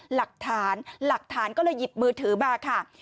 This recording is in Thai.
หลักฐานหลักฐานก็เลยหยิบมือถือมาค่ะ